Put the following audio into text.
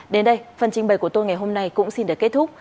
đến đây phần trình bày của tôi ngày hôm nay cũng xin được kết thúc